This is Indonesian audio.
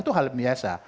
itu hal biasa